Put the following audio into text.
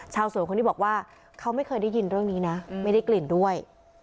ชาวสวนคนนี้บอกว่าเขาไม่เคยได้ยินเรื่องนี้นะไม่ได้กลิ่นด้วย